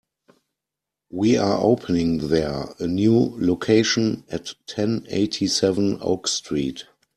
We are opening the a new location at ten eighty-seven Oak Street.